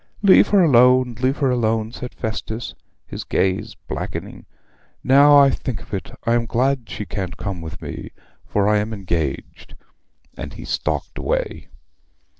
'Leave her alone, leave her alone,' said Festus, his gaze blackening. 'Now I think of it I am glad she can't come with me, for I am engaged;' and he stalked away.